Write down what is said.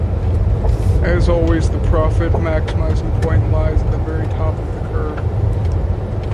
As always, the profit maximizing point lies at the very top for the curve.